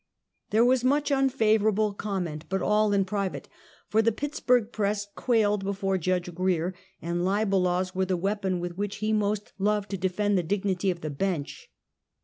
There was much My Crooked Telescope. 117 unfavorable comment, but all in private, for tbe Pitts burg press quailed before Judge Grier, and libel laws were the weapon with which he most loved to defend the dignity of the bench.